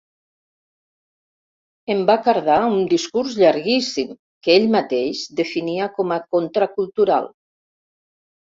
Em va cardar un discurs llarguíssim que ell mateix definia com a contracultural.